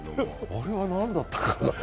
あれは何だったかな